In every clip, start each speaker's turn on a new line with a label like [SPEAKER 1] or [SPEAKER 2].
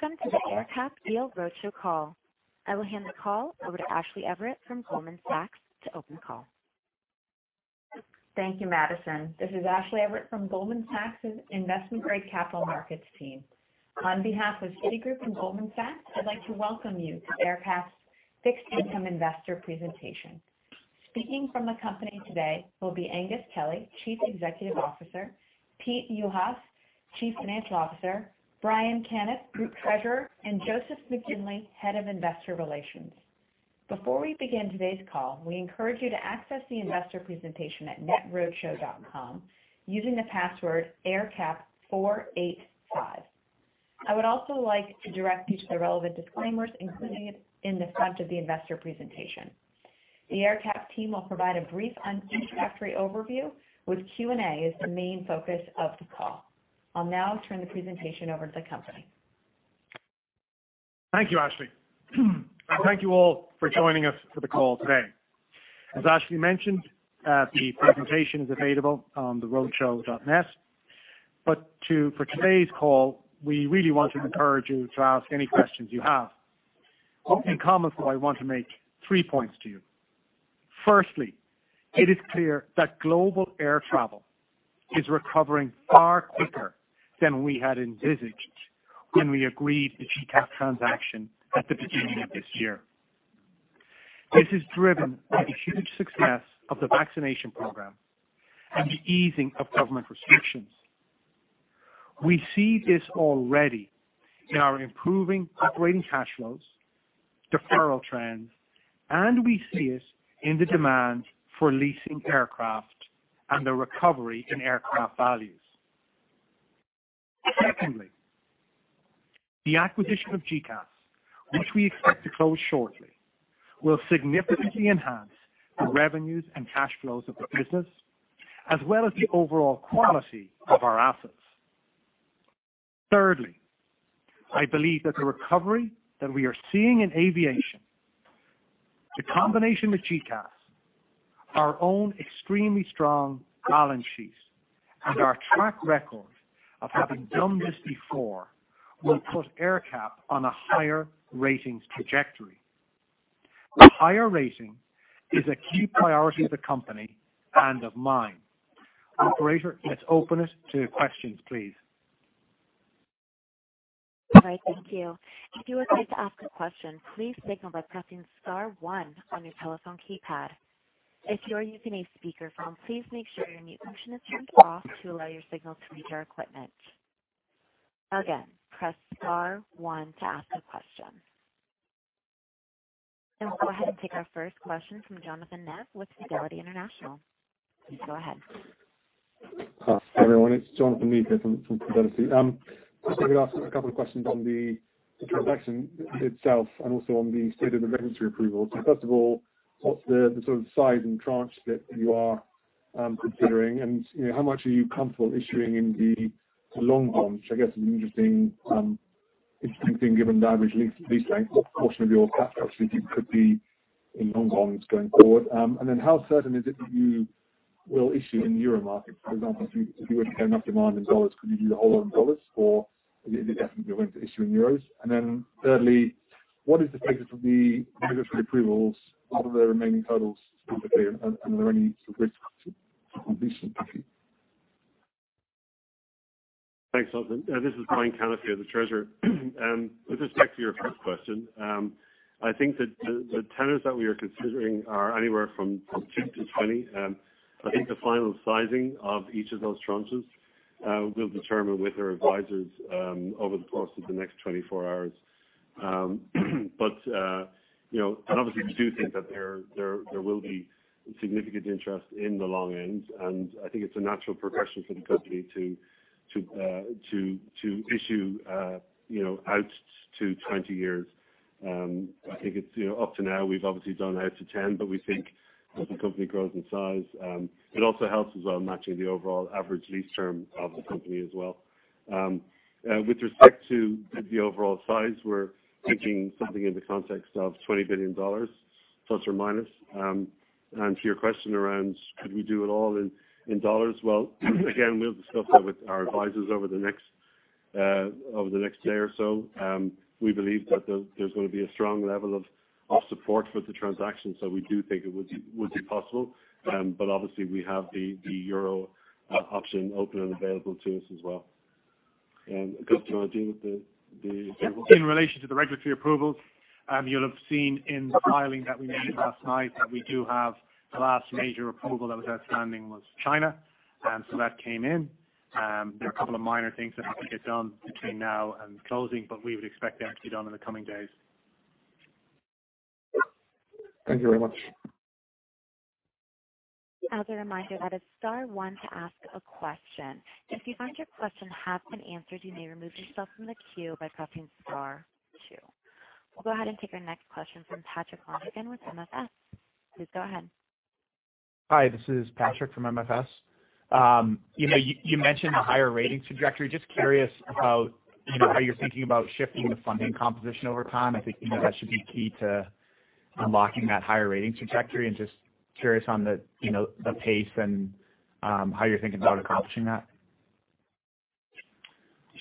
[SPEAKER 1] Welcome to the AerCap Deal Roadshow call. I will hand the call over to Ashley Everett from Goldman Sachs to open the call.
[SPEAKER 2] Thank you, Madison. This is Ashley Everett from Goldman Sachs' Investment Grade Capital Markets team. On behalf of Citigroup and Goldman Sachs, I'd like to welcome you to AerCap's fixed income investor presentation. Speaking from the company today will be Aengus Kelly, Chief Executive Officer, Pete Juhas, Chief Financial Officer, Brian Canniffe, Treasurer, and Joseph McGinley, Head of Investor Relations. Before we begin today's call, we encourage you to access the investor presentation at netroadshow.com using the password AerCap485. I would also like to direct you to the relevant disclaimers, including it in the front of the investor presentation. The AerCap team will provide a brief introductory overview with Q&A as the main focus of the call. I'll now turn the presentation over to the company.
[SPEAKER 3] Thank you, Ashley. Thank you all for joining us for the call today. As Ashley mentioned, the presentation is available on the roadshow.net. For today's call, we really want to encourage you to ask any questions you have. In comments, though, I want to make three points to you. Firstly, it is clear that global air travel is recovering far quicker than we had envisaged when we agreed the GECAS transaction at the beginning of this year. This is driven by the huge success of the vaccination program and the easing of government restrictions. We see this already in our improving operating cash flows, deferral trends, and we see it in the demand for leasing aircraft and the recovery in aircraft values. Secondly, the acquisition of GECAS, which we expect to close shortly, will significantly enhance the revenues and cash flows of the business, as well as the overall quality of our assets. Thirdly, I believe that the recovery that we are seeing in aviation, the combination with GECAS, our own extremely strong balance sheets, and our track record of having done this before, will put AerCap on a higher ratings trajectory. A higher rating is a key priority of the company and of mine. Operator, let's open it to questions, please.
[SPEAKER 1] All right. Thank you. If you like to ask a question, please signal by pressing star one on your telephone keypad. If you're using a speaker phone, please make sure your mute is turned off to allow your signal to reach our equipment. Again, press star one to ask a question. We'll go ahead and take our first question from Jonathan Ness with Fidelity International. Please go ahead.
[SPEAKER 4] Jonathan Ness here from Fidelity. Going to ask a couple of questions on the transaction itself and also on the state of the regulatory approval. First of all, what's the sort of size and tranche that you are considering, and how much are you comfortable issuing in the long bonds? I guess it's an interesting thing given the average lease length. What portion of your cash actually could be in long bonds going forward? How certain is it that you will issue in the euro market? For example, if you were to get enough demand in dollars, could you do the whole lot in dollars, or is it definitely going to issue in euros? Thirdly, what is the status of the regulatory approvals? What are the remaining hurdles specifically, are there any sort of risks on recent pacing?
[SPEAKER 5] Thanks, Jonathan. This is Brian Canniffe here, the Treasurer. With respect to your first question, I think that the tenors that we are considering are anywhere from 2-20. I think the final sizing of each of those tranches we'll determine with our advisers over the course of the next 24 hours. Obviously, we do think that there will be significant interest in the long end. I think it's a natural progression for the company to issue outs to 20 years. Up to now, we've obviously done out to 10. We think as the company grows in size, it also helps as well in matching the overall average lease term of the company as well. With respect to the overall size, we're thinking something in the context of $20 billion ±. To your question around could we do it all in dollars, well, again, we'll discuss that with our advisers over the next day or so. We believe that there's going to be a strong level of support for the transaction, we do think it would be possible. Obviously, we have the EUR option open and available to us as well. Aengus, do you want to deal with the approvals?
[SPEAKER 3] In relation to the regulatory approvals, you'll have seen in the filing that we made last night that we do have the last major approval that was outstanding was China. That came in. There are two minor things that have to get done between now and closing, but we would expect they're to be done in the coming days.
[SPEAKER 4] Thank you very much.
[SPEAKER 1] As a reminder, that is star one to ask a question. If you find your question has been answered, you may remove yourself from the queue by pressing star two. We will go ahead and take our next question from Patrick Lonergan with MFS. Please go ahead.
[SPEAKER 6] Hi, this is Patrick from MFS. You mentioned the higher ratings trajectory. Just curious about how you're thinking about shifting the funding composition over time. I think that should be key to. Unlocking that higher rating trajectory and just curious on the pace and how you're thinking about accomplishing that.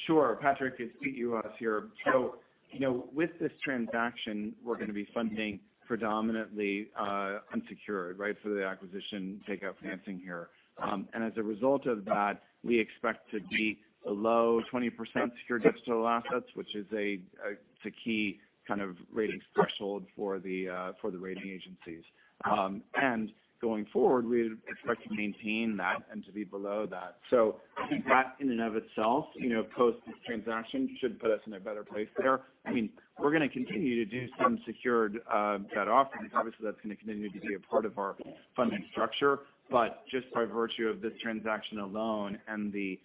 [SPEAKER 7] Sure. Patrick Lonergan, it's Pete Juhas here. With this transaction, we're going to be funding predominantly unsecured. The acquisition takeout financing here. As a result of that, we expect to be below 20% secured debts to total assets, which is a key kind of rating threshold for the rating agencies. Going forward, we'd expect to maintain that and to be below that. I think that in and of itself, post this transaction, should put us in a better place there. We're going to continue to do some secured debt offerings. Obviously, that's going to continue to be a part of our funding structure. Just by virtue of this transaction alone and the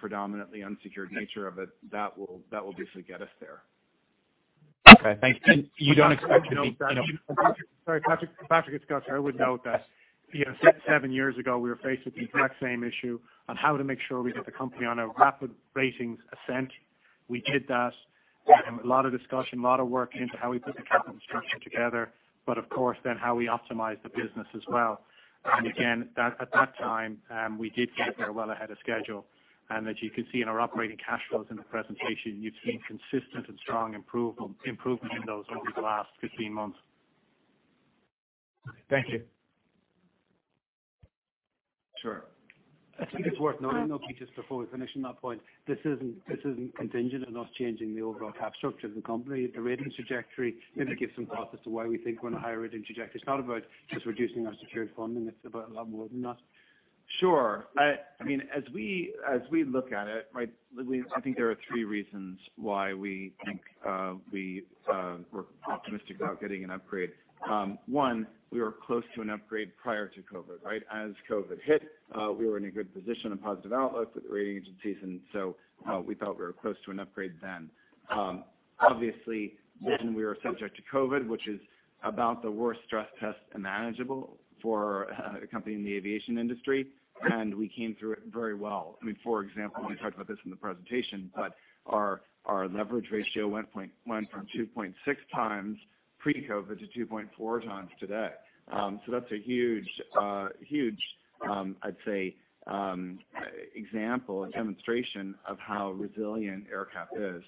[SPEAKER 7] predominantly unsecured nature of it, that will basically get us there.
[SPEAKER 6] Okay, thanks. You don't expect?
[SPEAKER 3] Sorry, Patrick, it's Aengus here. I would note that six, seven years ago, we were faced with the exact same issue on how to make sure we got the company on a rapid ratings ascent. We did that, and a lot of discussion, a lot of work into how we put the capital structure together, but of course, then how we optimize the business as well. Again, at that time, we did get there well ahead of schedule, and as you can see in our operating cash flows in the presentation, you've seen consistent and strong improvement in those over the last 15 months.
[SPEAKER 6] Thank you.
[SPEAKER 7] Sure.
[SPEAKER 3] I think it's worth noting though, Pete, just before we finish on that point, this isn't contingent on us changing the overall cap structure of the company. The rating trajectory maybe gives some process to why we think we're on a higher rating trajectory. It's not about just reducing our secured funding. It's about a lot more than that.
[SPEAKER 7] Sure. As we look at it, I think there are three reasons why we think we're optimistic about getting an upgrade. One, we were close to an upgrade prior to COVID. As COVID hit, we were in a good position of positive outlook with the rating agencies, and so we felt we were close to an upgrade then. Obviously, then we were subject to COVID, which is about the worst stress test imaginable for a company in the aviation industry, and we came through it very well. For example, and we talked about this in the presentation, but our leverage ratio went from 2.6x pre-COVID to 2.4x today. That's a huge, I'd say, example and demonstration of how resilient AerCap is.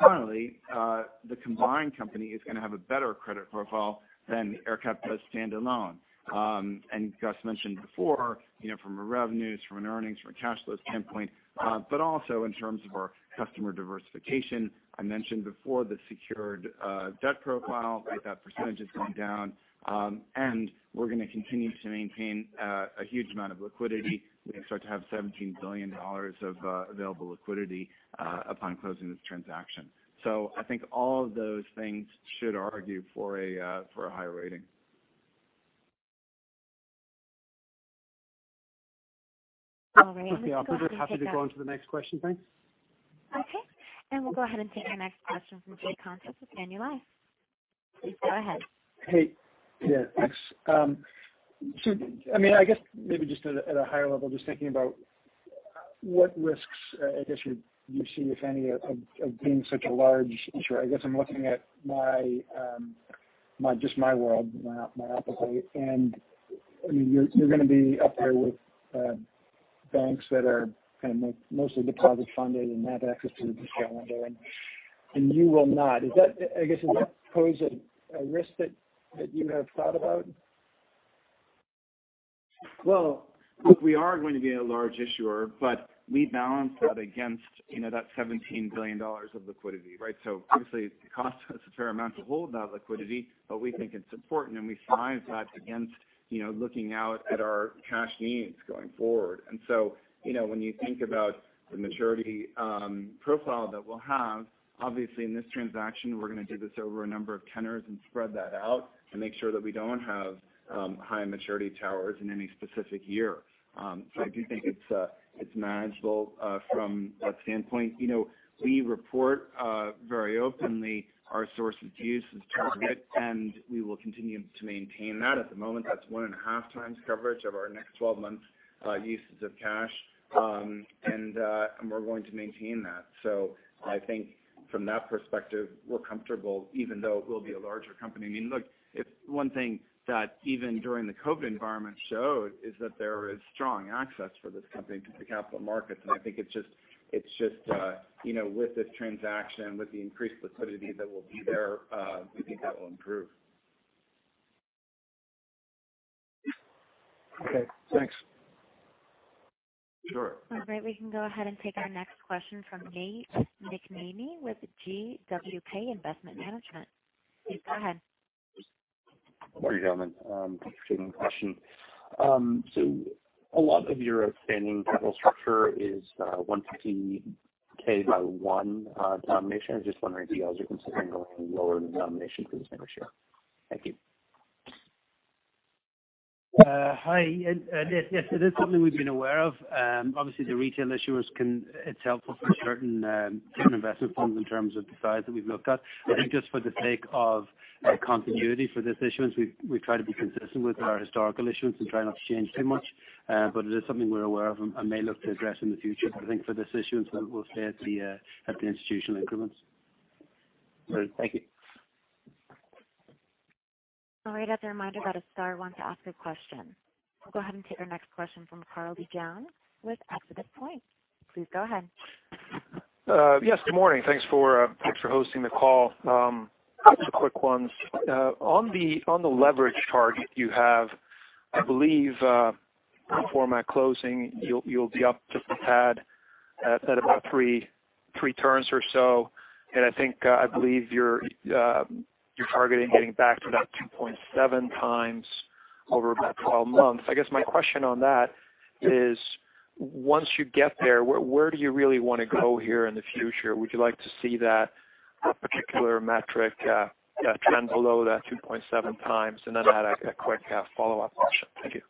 [SPEAKER 7] Finally, the combined company is going to have a better credit profile than AerCap does standalone. Aengus mentioned before, from a revenues, from an earnings, from a cash flows standpoint, but also in terms of our customer diversification. I mentioned before the secured debt profile, that percentage is going down, and we're going to continue to maintain a huge amount of liquidity. We expect to have $17 billion of available liquidity upon closing this transaction. I think all of those things should argue for a higher rating.
[SPEAKER 3] Happy to go on to the next question. Thanks.
[SPEAKER 1] Okay. We'll go ahead and take our next question from Jay Contis with Manulife. Please go ahead.
[SPEAKER 8] Hey. Yeah, thanks. I guess maybe just at a higher level, just thinking about what risks, I guess you see, if any, of being such a large issuer. I guess I'm looking at just my world, myopicly, and you're going to be up there with banks that are mostly deposit funded and have access to the discount window, and you will not. I guess does that pose a risk that you have thought about?
[SPEAKER 7] Well, look, we are going to be a large issuer, we balance that against that $17 billion of liquidity. Obviously, it costs us a fair amount to hold that liquidity, we think it's important, we size that against looking out at our cash needs going forward. When you think about the maturity profile that we'll have, obviously, in this transaction, we're going to do this over a number of tenors, spread that out, make sure that we don't have high maturity towers in any specific year. I do think it's manageable from that standpoint. We report very openly our source of use as target, we will continue to maintain that. At the moment, that's 1.5x coverage of our next 12 months usage of cash. We're going to maintain that. I think from that perspective, we're comfortable, even though it will be a larger company. Look, if one thing that even during the COVID environment showed is that there is strong access for this company to the capital markets, and I think it's just with this transaction, with the increased liquidity that will be there, we think that will improve.
[SPEAKER 8] Okay, thanks.
[SPEAKER 7] Sure.
[SPEAKER 1] All right, we can go ahead and take our next question from Nate McNamee with GW&K Investment Management. Please go ahead.
[SPEAKER 9] Good morning, gentlemen. Interesting question. A lot of your outstanding capital structure is $150,000 by one denomination. I am just wondering if you guys are considering going lower denomination for this new issue. Thank you.
[SPEAKER 10] Hi. Yes, it is something we've been aware of. Obviously, the retail issuers, it's helpful for certain investment funds in terms of the size that we've looked at. I think just for the sake of continuity for this issuance, we try to be consistent with our historical issuance and try not to change too much. It is something we're aware of and may look to address in the future. I think for this issuance, we'll stay at the institutional increments.
[SPEAKER 9] Great. Thank you.
[SPEAKER 1] All right. As a reminder that a star one to ask a question. We'll go ahead and take our next question from Karl Lee-Young] with ExodusPoint. Please go ahead.
[SPEAKER 11] Yes, good morning. Thanks for hosting the call. Just a quick one. On the leverage target you have, I believe, for my closing, you'll be up just a tad at about three turns or so. I think I believe you're targeting getting back to that 2.7x over about 12 months. I guess my question on that is, once you get there, where do you really want to go here in the future? Would you like to see that particular metric trend below that 2.7x? Add a quick follow-up question. Thank you.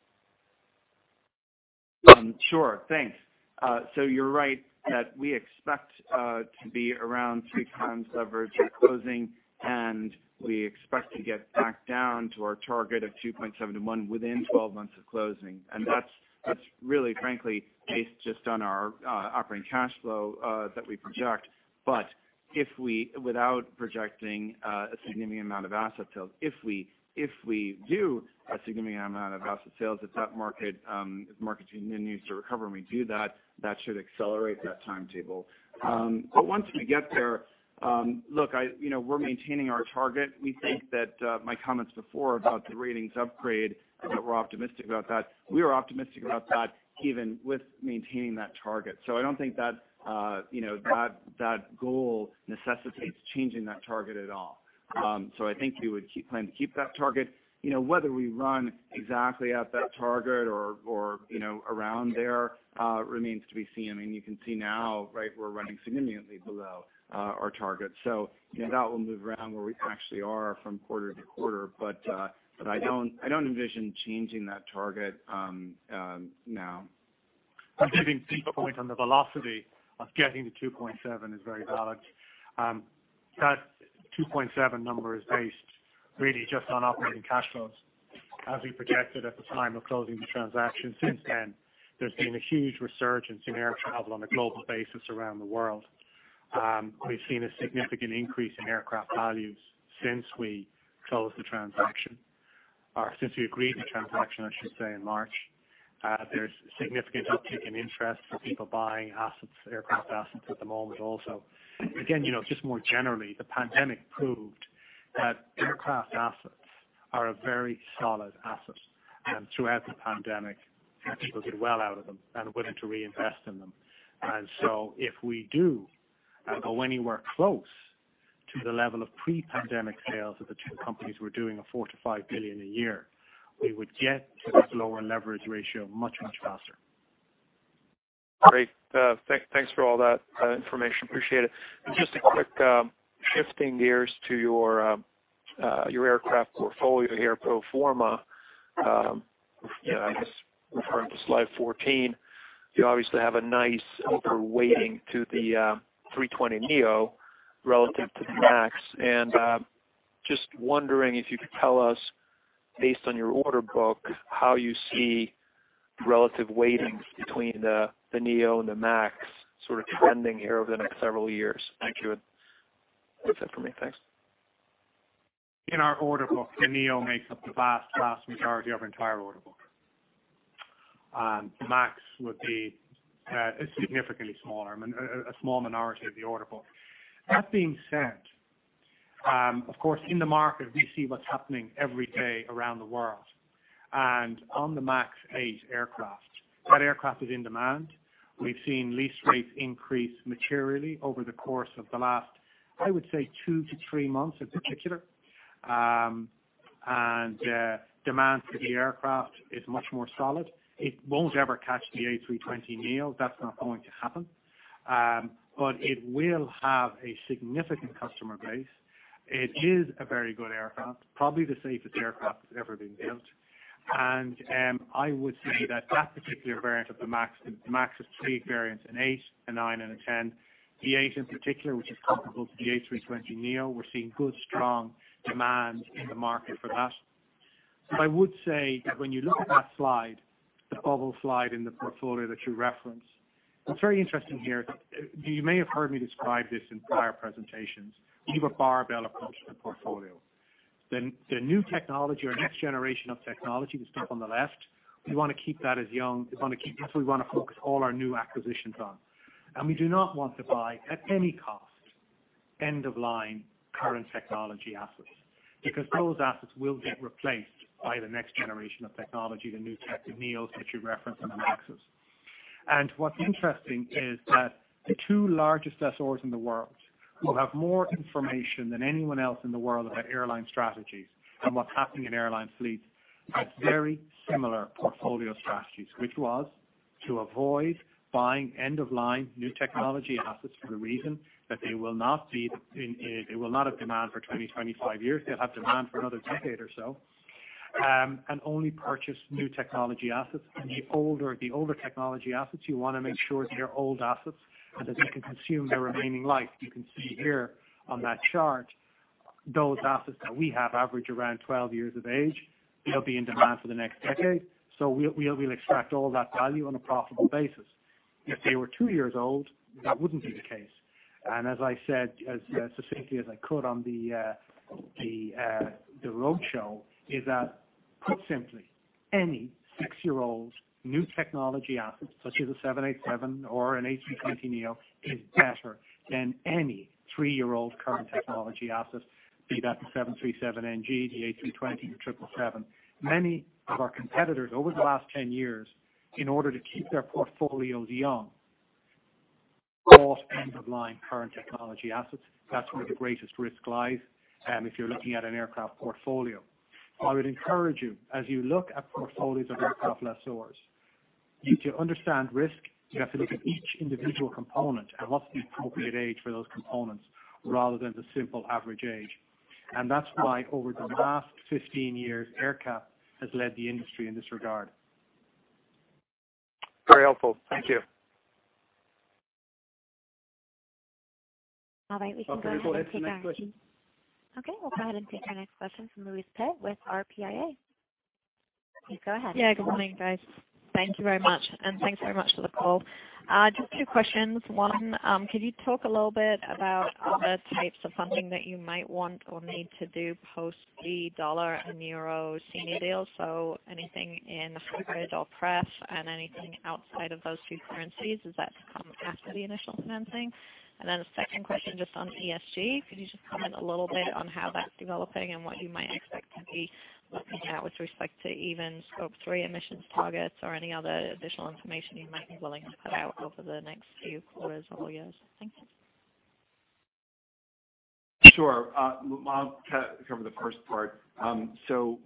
[SPEAKER 7] Sure. Thanks. You're right that we expect to be around 3x leverage at closing, and we expect to get back down to our target of 2.71 within 12 months of closing. That's really frankly, based just on our operating cash flow that we project. Without projecting a significant amount of asset sales, if we do a significant amount of asset sales, if that market continues to recover and we do that should accelerate that timetable. Once we get there, look, we're maintaining our target. We think that my comments before about the ratings upgrade, that we're optimistic about that. We are optimistic about that even with maintaining that target. I don't think that goal necessitates changing that target at all. I think we would plan to keep that target. Whether we run exactly at that target or around there, remains to be seen. I mean, you can see now, right, we're running significantly below our target. That will move around where we actually are from quarter-to-quarter. I don't envision changing that target now.
[SPEAKER 3] Giving Pete a point on the velocity of getting to 2.7 is very valid. That 2.7 number is based really just on operating cash flows. As we projected at the time of closing the transaction, since then, there's been a huge resurgence in air travel on a global basis around the world. We've seen a significant increase in aircraft values since we closed the transaction, or since we agreed the transaction, I should say, in March. There's significant uptick in interest for people buying aircraft assets at the moment also. Again, just more generally, the pandemic proved that aircraft assets are a very solid asset. Throughout the pandemic, people did well out of them and are willing to reinvest in them. If we do go anywhere close to the level of pre-pandemic sales of the two companies were doing a $4 billion-$5 billion a year, we would get to this lower leverage ratio much, much faster.
[SPEAKER 11] Great. Thanks for all that information. Appreciate it. Just a quick, shifting gears to your aircraft portfolio here, pro forma. I guess referring to Slide 14, you obviously have a nice overweighting to the 320neo relative to the MAX. Just wondering if you could tell us, based on your order book, how you see relative weightings between the neo and the MAX sort of trending here over the next several years. Thank you. That's it for me. Thanks.
[SPEAKER 3] In our order book, the Neo makes up the vast majority of our entire order book. MAX would be significantly smaller, a small minority of the order book. That being said, of course, in the market, we see what's happening every day around the world. On the MAX 8 aircraft, that aircraft is in demand. We've seen lease rates increase materially over the course of the last, I would say, 2-3 months in particular. Demand for the aircraft is much more solid. It won't ever catch the A320neo. That's not going to happen. It will have a significant customer base. It is a very good aircraft, probably the safest aircraft that's ever been built. I would say that that particular variant of the MAX, the MAX has three variants, an 8, a 9, and a 10. The 8 in particular, which is comparable to the A320neo, we're seeing good, strong demand in the market for that. I would say that when you look at that slide, the bubble slide in the portfolio that you referenced, what's very interesting here, you may have heard me describe this in prior presentations. We have a barbell approach to the portfolio. The new technology or next generation of technology, the stuff on the left, we want to keep that as young. That's what we want to focus all our new acquisitions on. We do not want to buy, at any cost, end-of-line current technology assets because those assets will get replaced by the next generation of technology, the new tech, the neos that you referenced, and the MAXes. What's interesting is that the two largest lessors in the world, who have more information than anyone else in the world about airline strategies and what's happening in airline fleets, have very similar portfolio strategies, which was to avoid buying end-of-line new technology assets for the reason that they will not have demand for 20-25 years. They'll have demand for another decade or so, and only purchase new technology assets. The older technology assets, you want to make sure they're old assets and that they can consume their remaining life. You can see here on that chart, those assets that we have average around 12 years of age. They'll be in demand for the next decade. We'll extract all that value on a profitable basis. If they were two years old, that wouldn't be the case. As I said, as succinctly as I could on the roadshow, is that put simply, any six-year-old new technology asset, such as a 787 or an A320neo, is better than any three-year-old current technology asset, be that the 737NG, the A320, the 777. Many of our competitors over the last 10 years, in order to keep their portfolios young, bought end-of-line current technology assets. That's where the greatest risk lies, if you're looking at an aircraft portfolio. I would encourage you, as you look at portfolios of aircraft lessors, to understand risk, you have to look at each individual component and what's the appropriate age for those components, rather than the simple average age. That's why over the last 15 years, AerCap has led the industry in this regard.
[SPEAKER 11] Very helpful. Thank you.
[SPEAKER 1] All right.
[SPEAKER 3] We can go ahead and take our next question.
[SPEAKER 1] Okay, we'll go ahead and take our next question from Louise Pitt with RPIA. Please go ahead.
[SPEAKER 12] Good morning, guys. Thank Thank you very much, and thanks very much for the call. Just two questions. One, could you talk a little bit about other types of funding that you might want or need to do post the U.S. dollar and euro senior deals? Anything in the hybrid or pref and anything outside of those two currencies, is that to come after the initial financing? The second question just on ESG. Could you just comment a little bit on how that's developing and what you might expect to be looking at with respect to even Scope 3 emissions targets or any other additional information you might be willing to put out over the next few quarters or years? Thank you.
[SPEAKER 7] Sure. I'll cover the first part.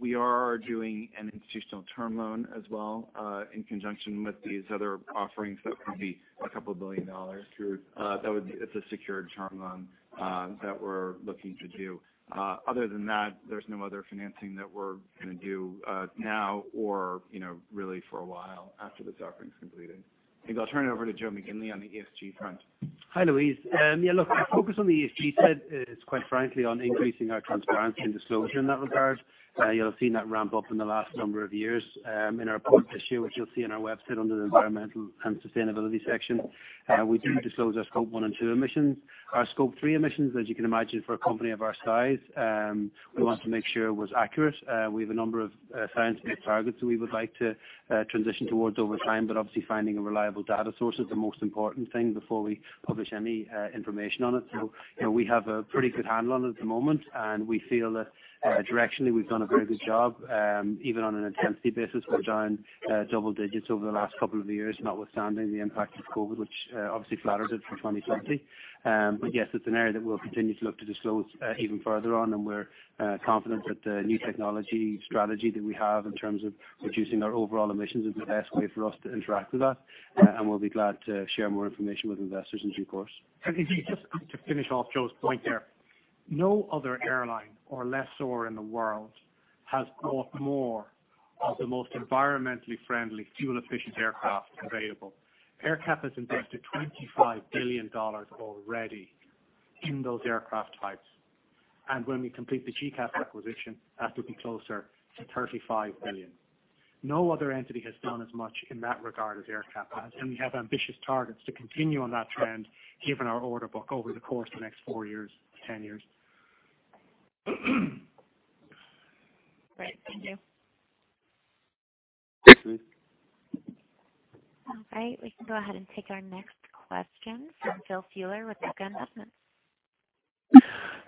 [SPEAKER 7] We are doing an institutional term loan as well, in conjunction with these other offerings. That would be a couple billion dollars. It's a secured term loan that we're looking to do. Other than that, there's no other financing that we're going to do now or really for a while after this offering is completed. I think I'll turn it over to Joe McGinley on the ESG front.
[SPEAKER 10] Hi, Louise. Yeah, look, our focus on the ESG side is quite frankly on increasing our transparency and disclosure in that regard. You'll have seen that ramp up in the last number of years. In our report this year, which you'll see on our website under the environmental and sustainability section, we do disclose our Scope 1 and 2 emissions. Our Scope 3 emissions, as you can imagine for a company of our size, we want to make sure it was accurate. We have a number of science-based targets that we would like to transition towards over time, but obviously finding a reliable data source is the most important thing before we publish any information on it. We have a pretty good handle on it at the moment, and we feel that directionally, we've done a very good job. Even on an intensity basis, we're down double digits over the last couple of years, notwithstanding the impact of COVID, which obviously flattered it for 2020. Yes, it's an area that we'll continue to look to disclose even further on, and we're confident that the new technology strategy that we have in terms of reducing our overall emissions is the best way for us to interact with that. We'll be glad to share more information with investors in due course.
[SPEAKER 3] If I could just to finish off Joe's point there. No other airline or lessor in the world has bought more of the most environmentally friendly fuel-efficient aircraft available. AerCap has invested $25 billion already in those aircraft types. When we complete the GECAS acquisition, that will be closer to $35 billion. No other entity has done as much in that regard as AerCap has, and we have ambitious targets to continue on that trend, given our order book over the course of the next 4 years-10 years.
[SPEAKER 12] Great. Thank you.
[SPEAKER 3] Thanks, Louise.
[SPEAKER 1] All right. We can go ahead and take our next question from Phil Buller with Berenberg.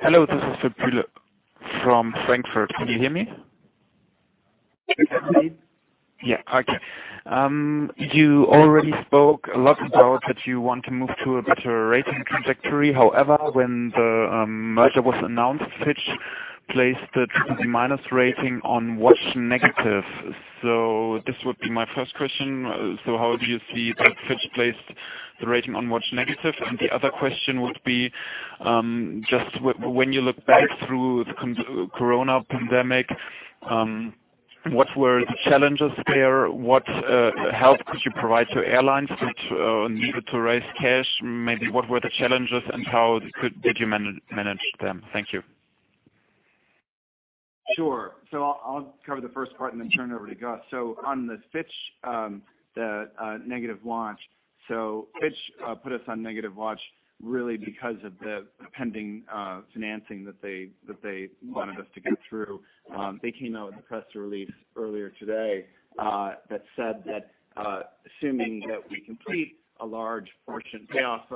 [SPEAKER 13] Hello, this is Philip Buller from Frankfurt. Can you hear me?
[SPEAKER 10] Yes.
[SPEAKER 13] Yeah, okay. You already spoke a lot about that you want to move to a better rating trajectory. However, when the merger was announced, Fitch placed the [BBB-] rating on watch negative. This would be my first question. How do you see that Fitch placed the rating on watch negative? The other question would be, just when you look back through the coronavirus pandemic, what were the challenges there? What help could you provide to airlines which needed to raise cash? Maybe what were the challenges and how did you manage them? Thank you.
[SPEAKER 7] Sure. I'll cover the first part and then turn it over to Aengus. On the Fitch negative watch. Fitch put us on negative watch really because of the pending financing that they wanted us to get through. They came out with a press release earlier today that said that assuming that we complete a large portion payoff,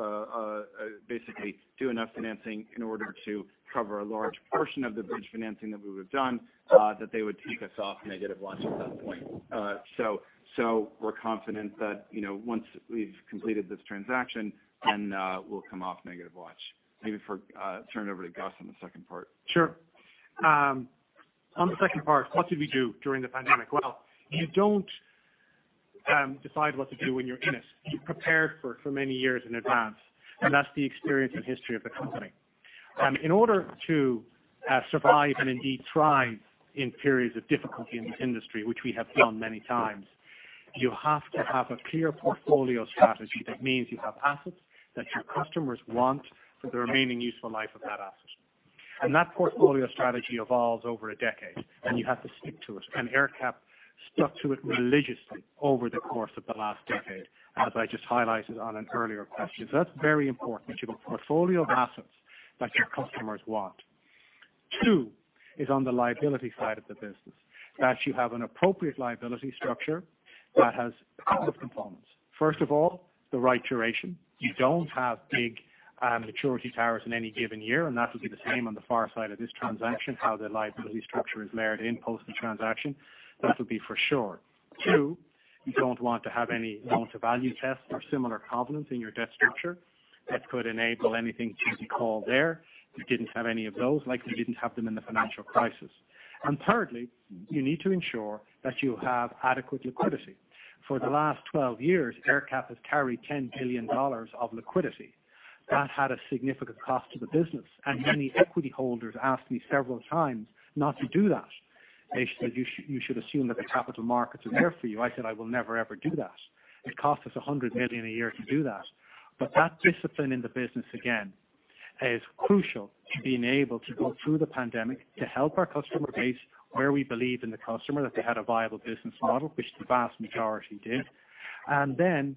[SPEAKER 7] basically do enough financing in order to cover a large portion of the bridge financing that we have done, that they would take us off negative watch at that point. We're confident that once we've completed this transaction, then we'll come off negative watch. Maybe turn it over to Aengus on the second part.
[SPEAKER 3] Sure. On the second part, what did we do during the pandemic? You don't decide what to do when you're in it. You prepare for many years in advance. That's the experience and history of the company. In order to survive and indeed thrive in periods of difficulty in this industry, which we have done many times, you have to have a clear portfolio strategy. That means you have assets that your customers want for the remaining useful life of that asset. That portfolio strategy evolves over a decade, and you have to stick to it. AerCap stuck to it religiously over the course of the last decade, as I just highlighted on an earlier question. That's very important. You have a portfolio of assets that your customers want. Two, is on the liability side of the business, that you have an appropriate liability structure that has a couple of components. First of all, the right duration. You don't have big maturity towers in any given year, and that will be the same on the far side of this transaction, how the liability structure is layered in post the transaction. That will be for sure. Two, you don't want to have any mark-to-value tests or similar covenants in your debt structure that could enable anything to be called there. We didn't have any of those, like we didn't have them in the financial crisis. Thirdly, you need to ensure that you have adequate liquidity. For the last 12 years, AerCap has carried $10 billion of liquidity. hat had a significant cost to the business. Many equity holders asked me several times not to do that. They said, "You should assume that the capital markets are there for you. I said, I will never, ever do that. It cost us $100 million a year to do that. That discipline in the business, again, is crucial to being able to go through the pandemic, to help our customer base where we believe in the customer, that they had a viable business model, which the vast majority did. Then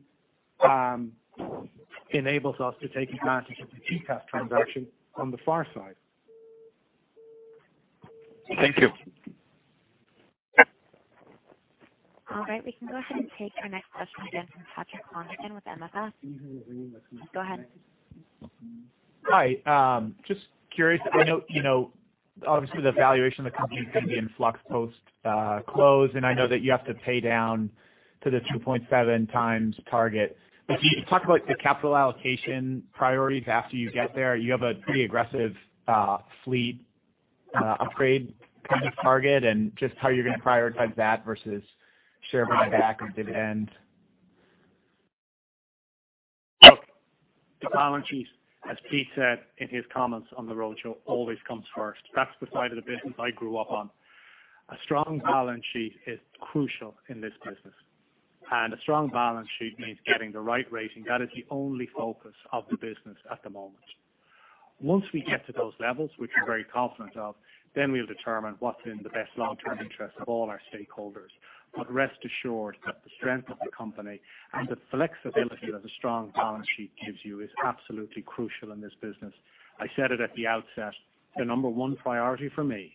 [SPEAKER 3] enables us to take advantage of the GECAS transaction on the far side.
[SPEAKER 13] Thank you.
[SPEAKER 1] All right. We can go ahead and take our next question again from Patrick Lonergan with MFS. Go ahead.
[SPEAKER 6] Hi. Just curious. I know, obviously, the valuation of the company is going to be in flux post close, and I know that you have to pay down to the 2.7x target. Can you talk about the capital allocation priorities after you get there? You have a pretty aggressive fleet upgrade kind of target, and just how you're going to prioritize that versus share buyback at the end.
[SPEAKER 3] Look, the balance sheet, as Pete said in his comments on the roadshow, always comes first. That's the side of the business I grew up on. A strong balance sheet is crucial in this business, and a strong balance sheet means getting the right rating. That is the only focus of the business at the moment. Once we get to those levels, which we're very confident of, we'll determine what's in the best long-term interest of all our stakeholders. Rest assured that the strength of the company and the flexibility that a strong balance sheet gives you is absolutely crucial in this business. I said it at the outset, the number one priority for me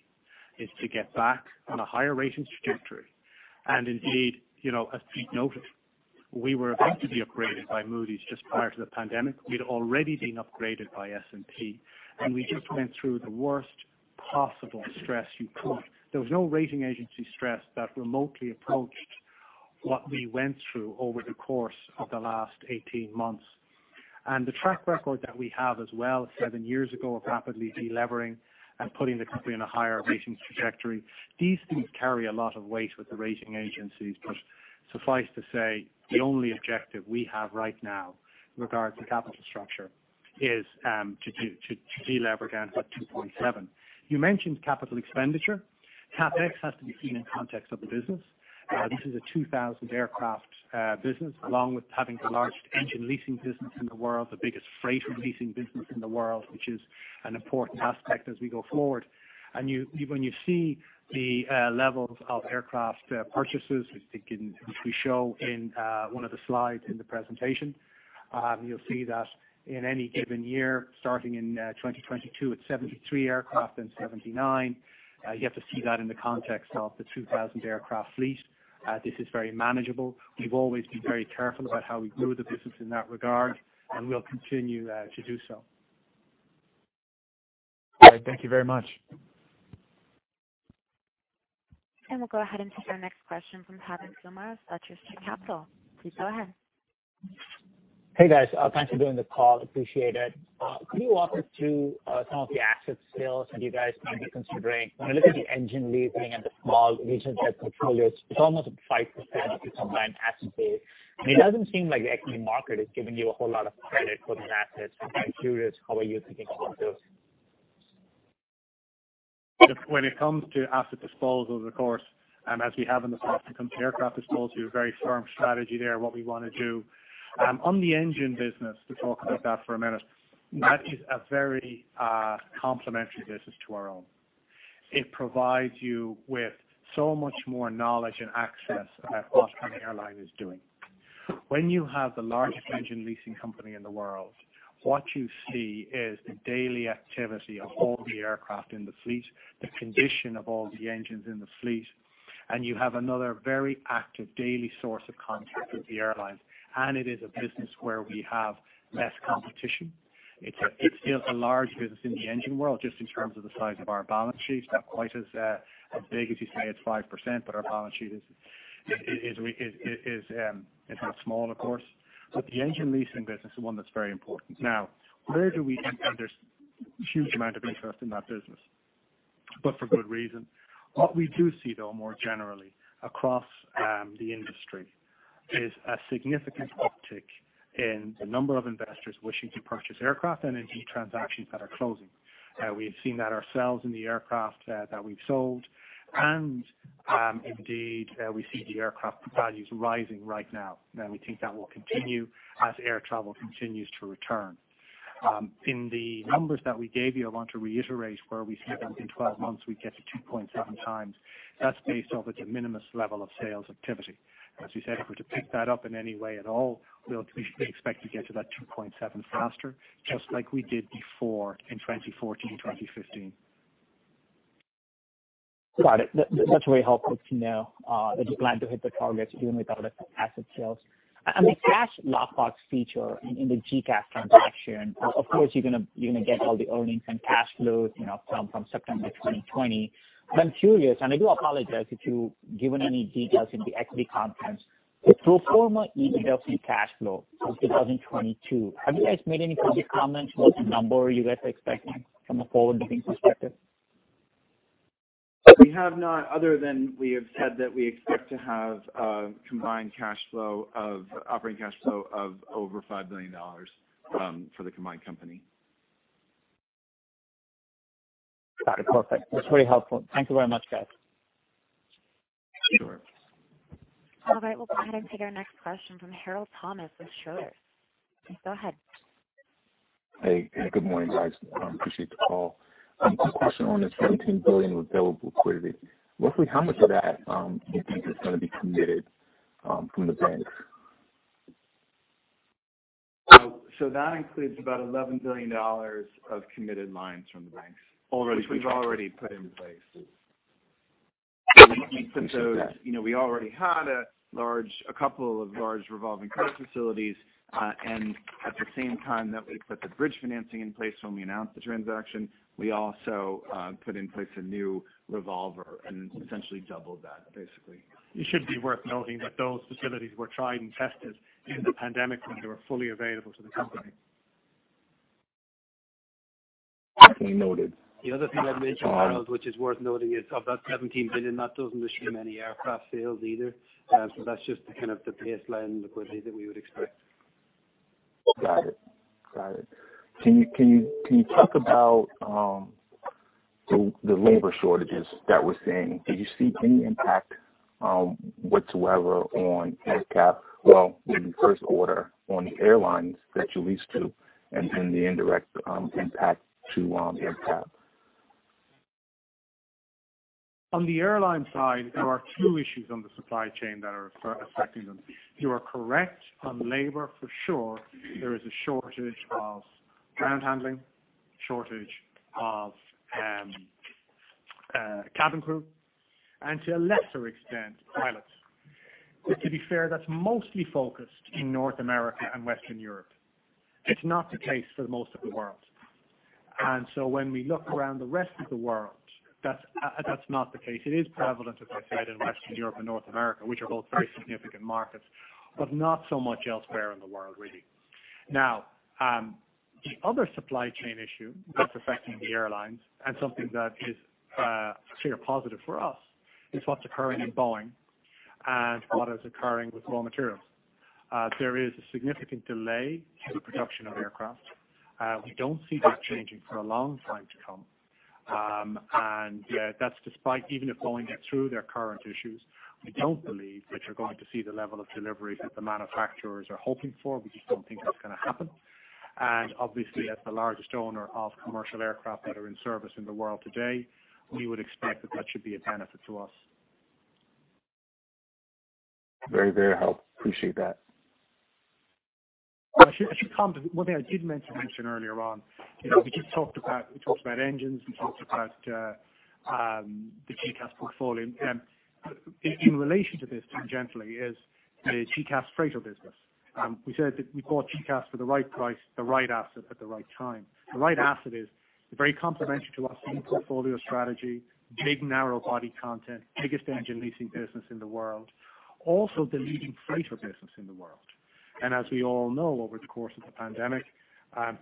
[SPEAKER 3] is to get back on a higher ratings trajectory. Indeed, as Pete noted, we were about to be upgraded by Moody's just prior to the pandemic. We'd already been upgraded by S&P, and we just went through the worst possible stress you could. There was no rating agency stress that remotely approached what we went through over the course of the last 18 months. The track record that we have as well, seven years ago, of rapidly delevering and putting the company on a higher ratings trajectory. These things carry a lot of weight with the rating agencies. Suffice to say, the only objective we have right now in regards to capital structure is to delever down to 2.7x. You mentioned capital expenditure. CapEx has to be seen in context of the business. This is a 2,000 aircraft business along with having the largest engine leasing business in the world, the biggest freighter leasing business in the world, which is an important aspect as we go forward. When you see the levels of aircraft purchases, which we show in one of the slides in the presentation, you'll see that in any given year, starting in 2022 at 73 aircraft, then 79. You have to see that in the context of the 2,000 aircraft fleet. This is very manageable. We've always been very careful about how we grew the business in that regard, and we'll continue to do so.
[SPEAKER 6] All right. Thank you very much.
[SPEAKER 1] We'll go ahead and take our next question from Pavan Kumar at Capital. Please go ahead.
[SPEAKER 14] Hey, guys. Thanks for doing the call. Appreciate it. Could you walk us through some of the asset sales that you guys might be considering? I look at the engine leasing and the small regional jet portfolios, it's almost 5% of your combined asset base. It doesn't seem like the equity market is giving you a whole lot of credit for these assets. I'm quite curious, how are you thinking about those?
[SPEAKER 3] When it comes to asset disposals, of course, as we have in the past when it comes to aircraft disposal, a very firm strategy there, what we want to do. On the engine business, to talk about that for a minute, that is a very complementary business to our own. It provides you with so much more knowledge and access about what an airline is doing. When you have the largest engine leasing company in the world, what you see is the daily activity of all the aircraft in the fleet, the condition of all the engines in the fleet, and you have another very active daily source of contact with the airlines. It is a business where we have less competition. It's still a large business in the engine world, just in terms of the size of our balance sheet. Not quite as big as you say, it's 5%, but our balance sheet is not small, of course. The engine leasing business is one that's very important. Now, where do we end up? There's huge amount of interest in that business, but for good reason. What we do see, though, more generally across the industry, is a significant uptick in the number of investors wishing to purchase aircraft and indeed transactions that are closing. We've seen that ourselves in the aircraft that we've sold, and indeed, we see the aircraft values rising right now, and we think that will continue as air travel continues to return. In the numbers that we gave you, I want to reiterate where we said that in 12 months, we get to 2.7x. That's based off at the de minimis level of sales activity. As we said, if we're to pick that up in any way at all, we expect to get to that 2.7x faster, just like we did before in 2014, 2015.
[SPEAKER 14] Got it. That's very helpful to know that you plan to hit the targets even without asset sales. On the cash lock box feature in the GECAS transaction, of course, you're going to get all the earnings and cash flows from September 2020. I'm curious, I do apologize if you've given any details in the equity conference. The pro forma EBITDA free cash flow for 2022, have you guys made any public comments what number you guys are expecting from a forward-looking perspective?
[SPEAKER 7] We have not, other than we have said that we expect to have a combined operating cash flow of over $5 billion for the combined company.
[SPEAKER 14] Got it. Perfect. That's very helpful. Thank you very much, guys.
[SPEAKER 7] Sure.
[SPEAKER 1] All right. We'll go ahead and take our next question from Harold Thomas with Schroders. Please go ahead.
[SPEAKER 15] Hey, good morning, guys. Appreciate the call. Just a question on the $17 billion of available liquidity. Roughly how much of that, do you think is going to be committed from the banks?
[SPEAKER 7] That includes about $11 billion of committed lines from the banks.
[SPEAKER 3] Already contracted.
[SPEAKER 7] Which we've already put in place.
[SPEAKER 15] Appreciate that.
[SPEAKER 7] We already had a couple of large revolving credit facilities. At the same time that we put the bridge financing in place when we announced the transaction, we also put in place a new revolver and essentially doubled that, basically.
[SPEAKER 3] It should be worth noting that those facilities were tried and tested in the pandemic when they were fully available to the company.
[SPEAKER 15] Definitely noted.
[SPEAKER 3] The other thing I'd mention, Harold, which is worth noting, is of that $17 billion, that doesn't assume any aircraft sales either. That's just the baseline liquidity that we would expect.
[SPEAKER 15] Got it. Can you talk about the labor shortages that we're seeing? Do you see any impact whatsoever on aircraft? Well, in the first order on the airlines that you lease to and the indirect impact to aircraft.
[SPEAKER 3] On the airline side, there are two issues on the supply chain that are affecting them. You are correct on labor, for sure. There is a shortage of ground handling, shortage of cabin crew, and to a lesser extent, pilots. To be fair, that's mostly focused in North America and Western Europe. It's not the case for the most of the world. When we look around the rest of the world, that's not the case. It is prevalent, as I said, in Western Europe and North America, which are both very significant markets, but not so much elsewhere in the world, really. The other supply chain issue that's affecting the airlines and something that is a clear positive for us, is what's occurring in Boeing and what is occurring with raw materials. There is a significant delay to the production of aircraft. We don't see that changing for a long time to come. That's despite even if Boeing gets through their current issues, we don't believe that you're going to see the level of deliveries that the manufacturers are hoping for. We just don't think that's going to happen. Obviously, as the largest owner of commercial aircraft that are in service in the world today, we would expect that that should be a benefit to us.
[SPEAKER 15] Very helpful. Appreciate that.
[SPEAKER 3] I should comment, one thing I didn't mention earlier on, we talked about engines, we talked about the GECAS portfolio. In relation to this, gently, is the GECAS freighter business. We said that we bought GECAS for the right price, the right asset at the right time. The right asset is very complementary to our fleet portfolio strategy, big narrow-body content, biggest engine leasing business in the world, also the leading freighter business in the world. As we all know, over the course of the pandemic,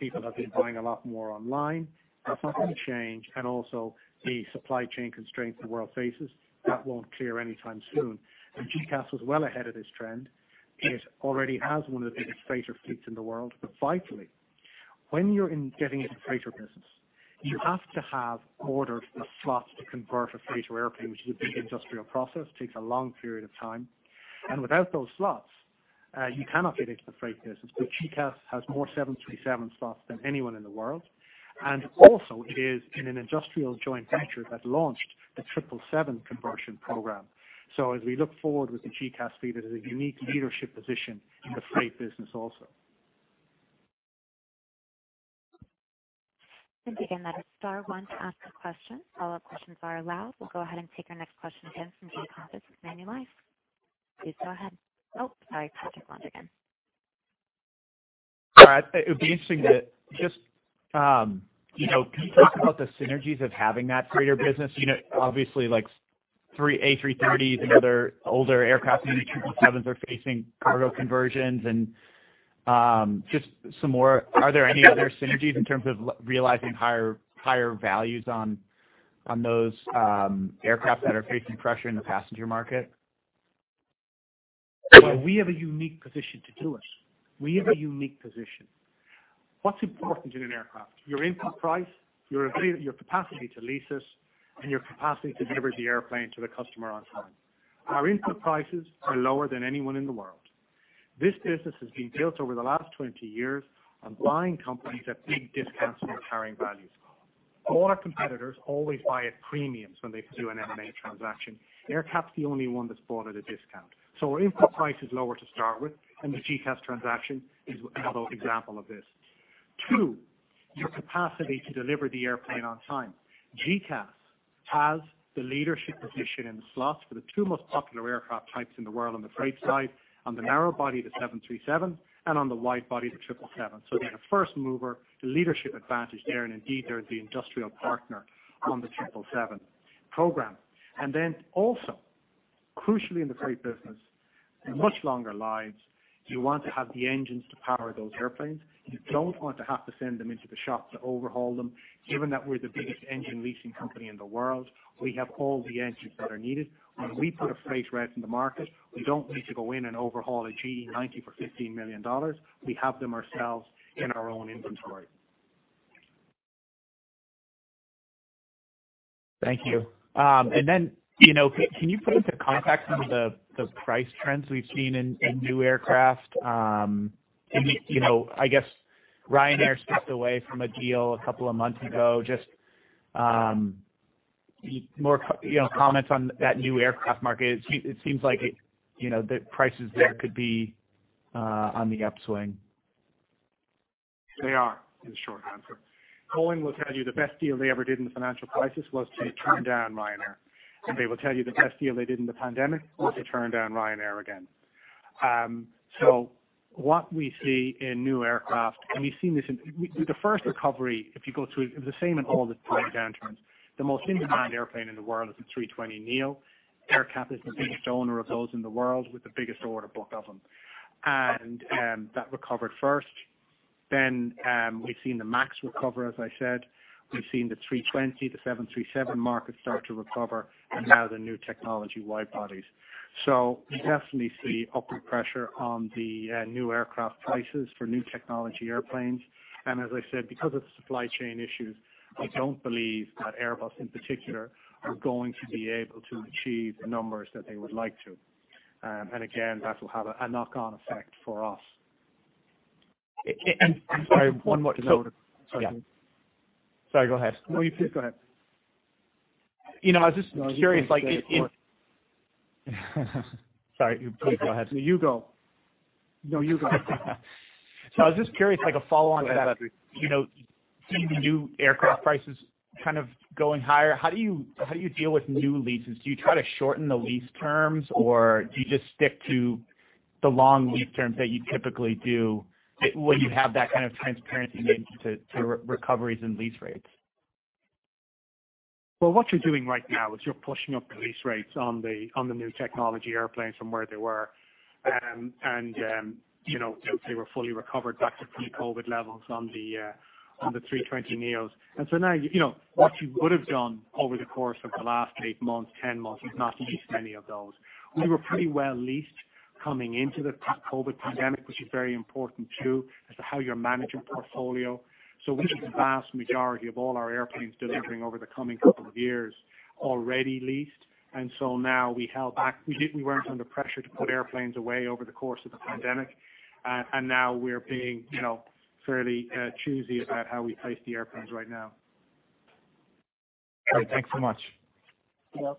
[SPEAKER 3] people have been buying a lot more online. That's not going to change, and also the supply chain constraints the world faces, that won't clear anytime soon. GECAS was well ahead of this trend. It already has one of the biggest freighter fleets in the world. Vitally, when you're getting into the freighter business, you have to have ordered the slots to convert a freighter airplane, which is a big industrial process, takes a long period of time. Without those slots, you cannot get into the freight business. GECAS has more 737 slots than anyone in the world, and also it is in an industrial joint venture that launched the 777 conversion program. As we look forward with the GECAS fleet, it is a unique leadership position in the freight business also.
[SPEAKER 1] Again, that is star one to ask a question. All questions are allowed. We'll go ahead and take our next question again from the conference with Manulife. Please go ahead. Sorry. Patrick, once again.
[SPEAKER 6] It would be interesting to just, can you talk about the synergies of having that freighter business unit? Obviously like A330 and other older aircraft, 777s are facing cargo conversions and just some more. Are there any other synergies in terms of realizing higher values on those aircraft that are facing pressure in the passenger market?
[SPEAKER 3] Well, we have a unique position to do it. We have a unique position. What's important in an aircraft? Your input price, your capacity to lease it, and your capacity to deliver the airplane to the customer on time. Our input prices are lower than anyone in the world. This business has been built over the last 20 years on buying companies at big discounts from carrying values. All our competitors always buy at premiums when they do an M&A transaction. AerCap's the only one that's bought at a discount. Our input price is lower to start with, and the GECAS transaction is another example of this. 2, your capacity to deliver the airplane on time. GECAS has the leadership position in the slots for the two most popular aircraft types in the world on the freight side, on the narrow body, the 737, and on the wide body, the 777. They're a first mover, the leadership advantage there, and indeed, they're the industrial partner on the 777 program. Also, crucially in the freight business, much longer lives. You want to have the engines to power those airplanes. You don't want to have to send them into the shop to overhaul them. Given that we're the biggest engine leasing company in the world, we have all the engines that are needed. When we put a freight rate in the market, we don't need to go in and overhaul a GE90 for $15 million. We have them ourselves in our own inventory.
[SPEAKER 6] Thank you. Can you put into context some of the price trends we've seen in new aircraft? I guess Ryanair stepped away from a deal a couple of months ago. Just more comments on that new aircraft market. It seems like the prices there could be on the upswing.
[SPEAKER 3] They are, is the short answer. Boeing will tell you the best deal they ever did in the financial crisis was to turn down Ryanair. They will tell you the best deal they did in the pandemic was to turn down Ryanair again. What we see in new aircraft, and we've seen this in the first recovery, if you go through it was the same in all the prior downturns. The most in-demand airplane in the world is the 320neo. AerCap is the biggest owner of those in the world with the biggest order book of them. That recovered first. We've seen the MAX recover, as I said. We've seen the 320, the 737 market start to recover, and now the new technology wide bodies. We definitely see upward pressure on the new aircraft prices for new technology airplanes. As I said, because of supply chain issues, I don't believe that Airbus, in particular, are going to be able to achieve the numbers that they would like to. Again, that will have a knock-on effect for us.
[SPEAKER 6] And I'm sorry, one more-
[SPEAKER 3] So.
[SPEAKER 6] Sorry. Sorry, go ahead.
[SPEAKER 3] No, you please go ahead.
[SPEAKER 6] I was just curious, like, in sorry. Please go ahead.
[SPEAKER 3] No, you go. No, you go.
[SPEAKER 6] I was just curious, like a follow-on to that. Seeing the new aircraft prices going higher, how do you deal with new leases? Do you try to shorten the lease terms, or do you just stick to the long lease terms that you typically do when you have that kind of transparency into recoveries and lease rates?
[SPEAKER 3] Well, what you're doing right now is you're pushing up the lease rates on the new technology airplanes from where they were. They were fully recovered back to pre-COVID levels on the 320neos. Now, what you would've done over the course of the last eight months, 10 months, is not lease any of those. We were pretty well leased coming into the COVID pandemic, which is very important, too, as to how you manage your portfolio. We have the vast majority of all our airplanes delivering over the coming couple of years already leased. Now we held back. We weren't under pressure to put airplanes away over the course of the pandemic. Now we're being fairly choosy about how we place the airplanes right now.
[SPEAKER 6] Great. Thanks so much.
[SPEAKER 3] Yeah.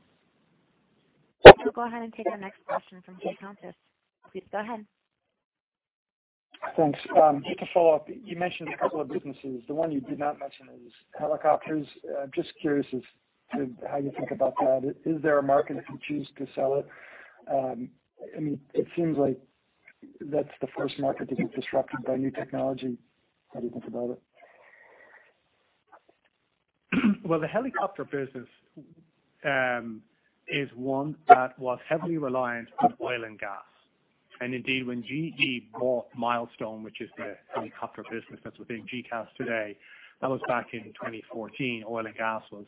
[SPEAKER 1] We'll go ahead and take our next question from Jason Fairclough. Please go ahead.
[SPEAKER 16] Thanks. Just to follow up, you mentioned a couple of businesses. The one you did not mention is helicopters. Just curious as to how you think about that. Is there a market if you choose to sell it? It seems like that's the first market to get disrupted by new technology. How do you think about it?
[SPEAKER 3] Well, the helicopter business is one that was heavily reliant on oil and gas. Indeed, when GE bought Milestone, which is the helicopter business that's within GECAS today, that was back in 2014. Oil and gas was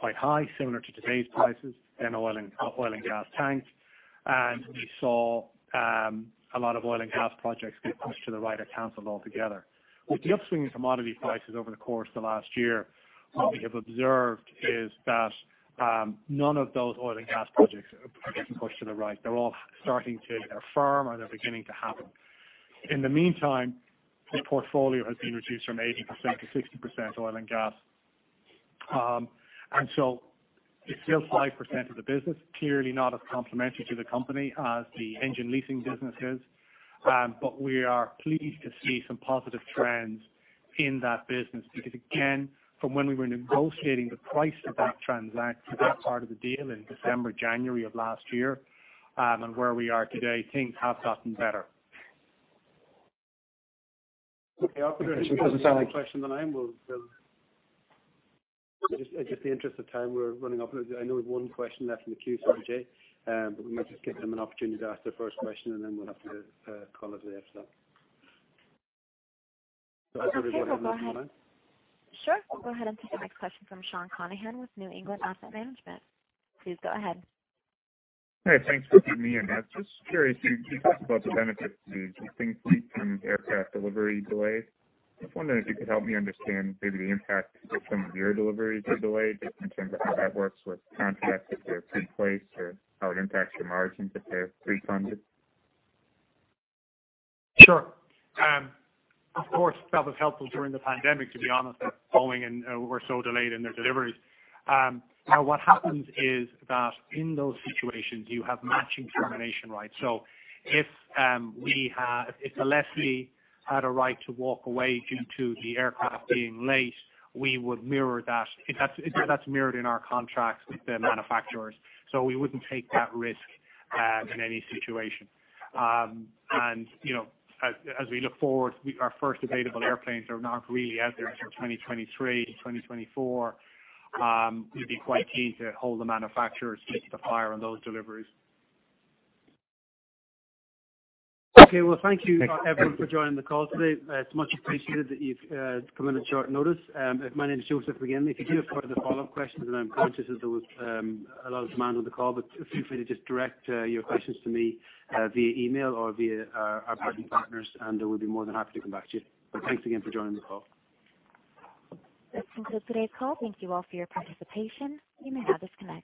[SPEAKER 3] quite high, similar to today's prices. Oil and gas tanked. We saw a lot of oil and gas projects get pushed to the right or canceled altogether. With the upswing in commodity prices over the course of the last year, what we have observed is that none of those oil and gas projects are getting pushed to the right. They're all firm, or they're beginning to happen. In the meantime, the portfolio has been reduced from 80%-60% oil and gas. It's still 5% of the business, clearly not as complementary to the company as the engine leasing business is. We are pleased to see some positive trends in that business because, again, from when we were negotiating the price for that part of the deal in December, January of last year, and where we are today, things have gotten better.
[SPEAKER 16] Okay. I appreciate it.
[SPEAKER 3] It doesn't sound like. If there's no more question, then I will just in the interest of time. We're running up. I know there's one question left in the queue. Sorry, Jay. We might just give them an opportunity to ask their first question, and then we'll have to call it after that. Does everybody have another one on that?
[SPEAKER 1] Okay. We'll go ahead. Sure. We'll go ahead and take the next question from Sean Conaghan with New England Asset Management. Please go ahead.
[SPEAKER 17] Hey, thanks for putting me in. I was just curious, you talked about the benefits to existing fleet from aircraft delivery delays. I was wondering if you could help me understand maybe the impact if some of your deliveries are delayed, just in terms of how that works with contracts if they're pre-placed or how it impacts your margins if they're pre-funded.
[SPEAKER 3] Sure. Of course, that was helpful during the pandemic, to be honest, that Boeing were so delayed in their deliveries. What happens is that in those situations, you have matching termination rights. If a lessee had a right to walk away due to the aircraft being late, we would mirror that. That's mirrored in our contracts with the manufacturers. We wouldn't take that risk in any situation. As we look forward, our first available airplanes are not really out there until 2023, 2024. We'd be quite keen to hold the manufacturers' feet to the fire on those deliveries.
[SPEAKER 10] Well, thank you everyone for joining the call today. It's much appreciated that you've come in at short notice. My name is Joseph McGinley. If you do have further follow-up questions, and I'm conscious that there was a lot of demand on the call, but feel free to just direct your questions to me via email or via our partners, and we'll be more than happy to come back to you. Thanks again for joining the call.
[SPEAKER 1] This concludes today's call. Thank you all for your participation. You may now disconnect.